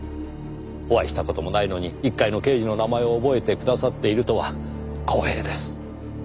お会いした事もないのに一介の刑事の名前を覚えてくださっているとは光栄です。